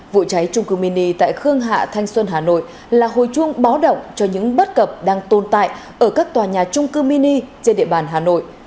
vụ cháy trung cư mini tại khương hạ thanh xuân hà nội là hồi chuông báo động cho những bất cập đang tồn tại ở các tòa nhà trung cư mini trên địa bàn hà nội